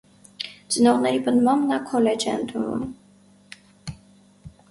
Ծնողների պնդմամբ նա քոլեջ է ընդունվում։